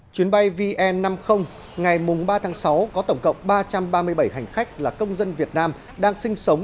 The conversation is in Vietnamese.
chuyến bay vn năm mươi ngày ba tháng sáu có tổng cộng ba trăm ba mươi bảy hành khách là công dân việt nam đang sinh sống